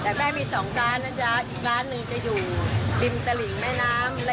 แต่แม่มี๒ร้านนะจ๊ะอีกร้านหนึ่งจะอยู่ริมตลิ่งแม่น้ำ